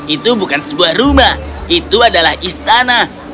itu bukan sebuah rumah itu adalah istana